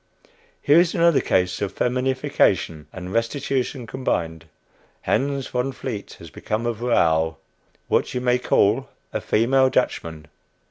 Here is another case of feminification and restitution combined. Hans Von Vleet has become a vrow what you may call a female Dutchman!